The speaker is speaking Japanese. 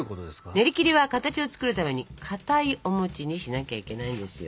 ねりきりは形を作るためにかたいお餅にしなきゃいけないんですよ。